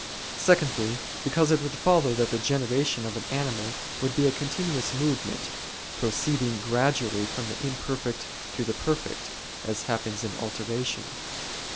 Secondly, because it would follow that the generation of an animal would be a continuous movement, proceeding gradually from the imperfect to the perfect, as happens in alteration.